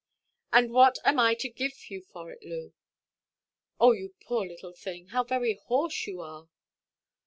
"And what am I to give you for it, Loo? Oh, you poor little thing, how very hoarse you are!"